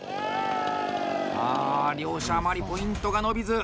ああ、両者あまりポイントが伸びず。